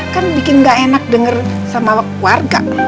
kan bikin gak enak denger sama warga